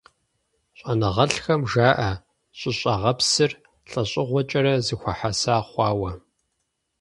ЩӀэныгъэлӀхэм жаӀэ щӀыщӀагъыпсыр лӀэщӀыгъуэкӀэрэ зэхуэхьэса хъуауэ.